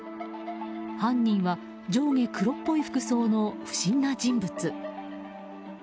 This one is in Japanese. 犯人は上下黒っぽい服装の不審な人物。